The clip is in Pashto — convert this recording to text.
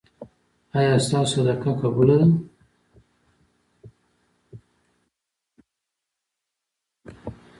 ایا ستاسو صدقه قبوله ده؟